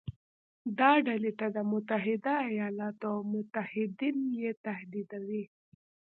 دا ډلې د متحده ایالاتو او متحدین یې تهدیدوي.